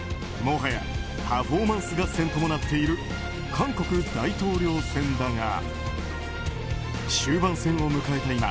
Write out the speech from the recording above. もはやパフォーマンス合戦ともなっている韓国大統領選だが終盤戦を迎えた